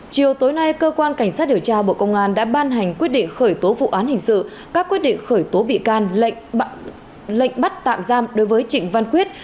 chiều tối nay cơ quan cảnh sát điều tra bộ công an đã ban hành quyết định khởi tố vụ án hình sự các quyết định khởi tố bị can lệnh bắt tạm giam đối với trịnh văn quyết